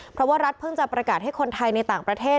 เพราะว่ารัฐเพิ่งจะประกาศให้คนไทยในต่างประเทศ